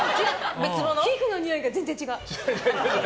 皮膚のにおいが全然違う。